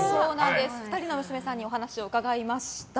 ２人の娘さんにお話しを伺いました。